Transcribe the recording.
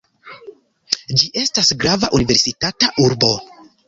Ĝi estas grava universitata urbo.